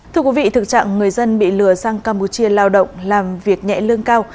thưa quý vị thực trạng người dân bị lừa sang campuchia lao động làm việc nhẹ lương cao